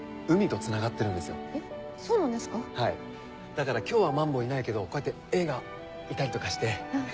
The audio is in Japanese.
だから今日はマンボウいないけどこうやってエイがいたりとかして。